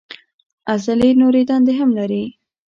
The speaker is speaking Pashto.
عضلې نورې دندې هم لري.